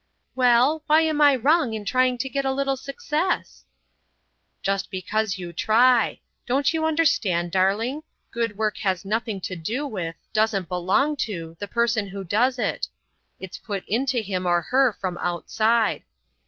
"Well? Why am I wrong in trying to get a little success?" "Just because you try. Don't you understand, darling? Good work has nothing to do with—doesn't belong to—the person who does it. It's put into him or her from outside."